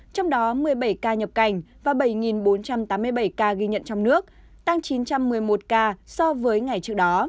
trong đó một mươi bảy ca nhập cảnh và bảy bốn trăm tám mươi bảy ca ghi nhận trong nước tăng chín trăm một mươi một ca so với ngày trước đó